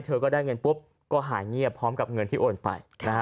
เธอก็ได้เงินปุ๊บก็หายเงียบพร้อมกับเงินที่โอนไป